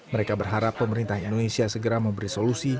mereka berharap pemerintah indonesia segera memberi solusi